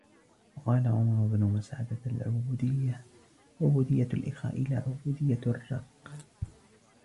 وَقَالَ عُمَرُ بْنُ مَسْعَدَةَ الْعُبُودِيَّةُ عُبُودِيَّةُ الْإِخَاءِ لَا عُبُودِيَّةُ الرِّقِّ